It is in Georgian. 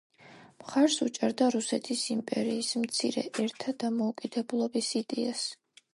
მხარს უჭერდა რუსეთის იმპერიის მცირე ერთა დამოუკიდებლობის იდეას.